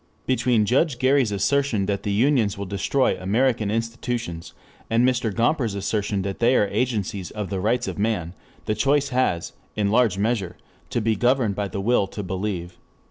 Between Judge Gary's assertion that the unions will destroy American institutions, and Mr. Gomper's assertion that they are agencies of the rights of man, the choice has, in large measure, to be governed by the will to believe.